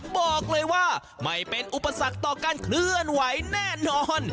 บอกเลยว่าไม่เป็นอุปสรรคต่อการเคลื่อนไหวแน่นอน